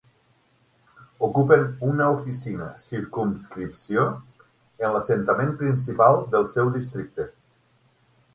Ocupen una oficina circumscripció en l'assentament principal del seu districte.